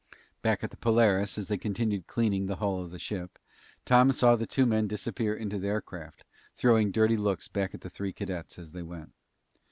Back at the Polaris, as they continued cleaning the hull of the ship, Tom saw the two men disappear into their craft, throwing dirty looks back at the three cadets as they went.